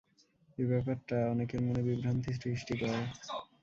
এ ব্যাপারটা অনেকের মনে বিভ্রান্তি সৃষ্টি করে।